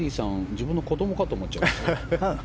自分の子供かと思っちゃう。